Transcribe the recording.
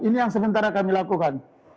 ini yang sementara kami lakukan